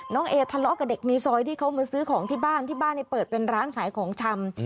เอทะเลาะกับเด็กในซอยที่เขามาซื้อของที่บ้านที่บ้านเปิดเป็นร้านขายของชำ